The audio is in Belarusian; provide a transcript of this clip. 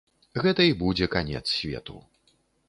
Гэта і будзе канец свету.